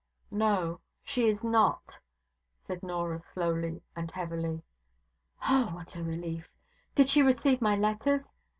'No, she is not,' said Norah, slowly and heavily. 'Oh, what a relief! Did she receive my letters?